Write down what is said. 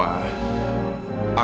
aku akan terima